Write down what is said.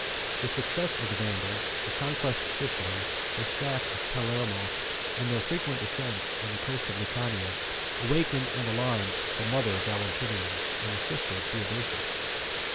The success of the Vandals, the conquest of Sicily, the sack of Palermo, and the frequent descents on the coast of Lucania, awakened and alarmed the mother of Valentinian, and the sister of Theodosius.